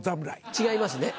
違いますね。